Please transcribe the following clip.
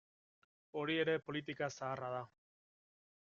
Hori ere politika zaharra da.